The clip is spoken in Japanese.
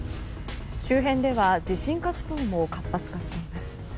周辺では地震活動も活発化しています。